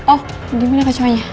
oh dimana kecoanya